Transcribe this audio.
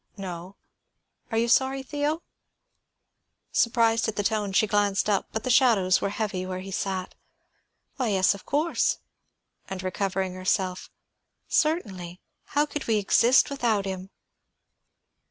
"No. Are you sorry, Theo?" Surprised at the tone, she glanced up, but the shadows were heavy where he sat. "Why, yes, of course." And recovering herself, "Certainly; how could we exist without him?"